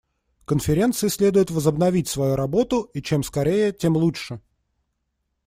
Конференции следует возобновить свою работу, и чем скорее, тем лучше.